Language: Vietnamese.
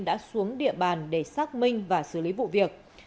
đã xuống địa bàn để xác minh và xử lý vụ việc